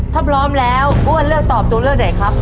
ถ้าพร้อมแล้วอ้วนเลือกตอบตัวเลือกไหนครับ